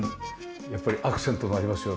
やっぱりアクセントになりますよね？